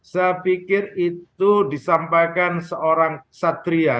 saya pikir itu disampaikan seorang satria